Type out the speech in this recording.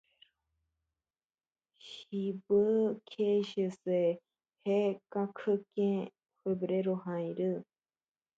Se celebran en el mes de febrero.